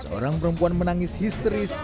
seorang perempuan menangis histeris